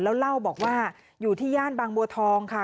แล้วเล่าบอกว่าอยู่ที่ย่านบางบัวทองค่ะ